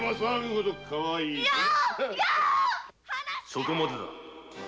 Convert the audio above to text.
・そこまでだ。